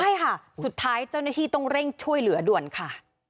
ใช่ค่ะสุดท้ายเจ้าหน้าที่ต้องเร่งช่วยเหลือด่วนค่ะ